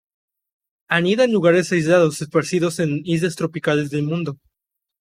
Anida en lugares aislados esparcidos en islas tropicales del mundo.